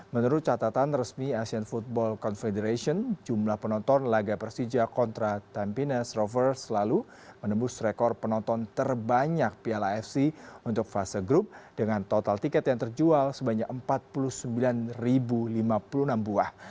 menurut catatan resmi asean football confederation jumlah penonton laga persija kontra tampines rover selalu menembus rekor penonton terbanyak piala fc untuk fase grup dengan total tiket yang terjual sebanyak empat puluh sembilan lima puluh enam buah